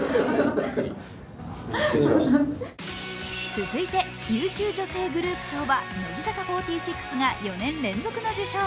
続いて、優秀女性グループ賞は乃木坂４６が４年連続の受賞。